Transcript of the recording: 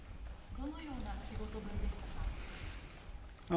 どのような仕事ぶりでしたか？